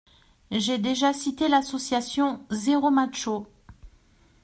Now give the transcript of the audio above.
J’ai déjà cité l’association Zéromacho.